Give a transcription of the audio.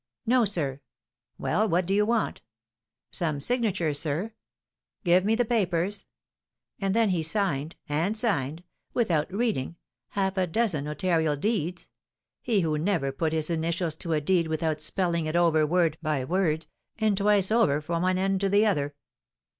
'No, sir.' 'Well, what do you want?' 'Some signatures, sir.' 'Give me the papers!' And then he signed and signed without reading half a dozen notarial deeds; he who never put his initials to a deed without spelling it over word by word, and twice over from one end to the other.